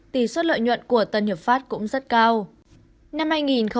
tỷ suất lợi nhuận của tân hiệp pháp cũng rất cao